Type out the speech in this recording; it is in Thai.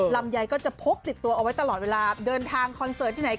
ลำไยก็จะพกติดตัวเอาไว้ตลอดเวลาเดินทางคอนเสิร์ตที่ไหน